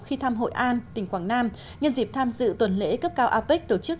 khi thăm hội an tỉnh quảng nam nhân dịp tham dự tuần lễ cấp cao apec tổ chức